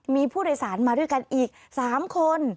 มีผู้โดยสารมาด้วยกันอีก๓คน